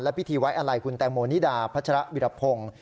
พิธีไว้อะไรคุณแตงโมนิดาพัชระวิรพงศ์